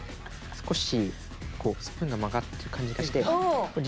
少しスプーンが曲がる感じがして。